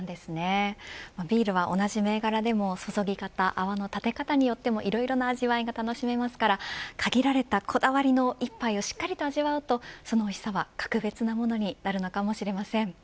ビールは同じ銘柄でも注ぎ方、泡の立て方によってはいろいろな味わいが楽しめますから限られたこだわりの１杯をしっかりと味わうとそのおいしさは格別なものになるのかもしれません。